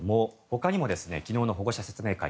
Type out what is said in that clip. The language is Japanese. ほかにも、昨日の保護者説明会